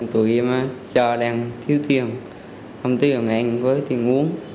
tụi em cho đang thiếu tiền không tiền là anh có tiền uống